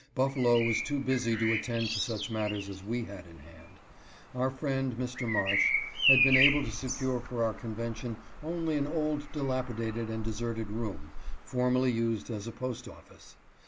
Buffalo was too busy to attend to such matters as we had in hand. Our friend, Mr. Marsh, had been able to secure for our convention only an old dilapidated and deserted room, formerly used as a post office.